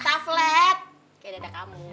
kayak dada kamu